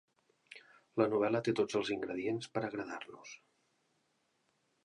La novel·la té tots els ingredients per a agradar-nos.